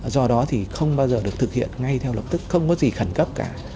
do đó thì không bao giờ được thực hiện ngay theo lập tức không có gì khẩn cấp cả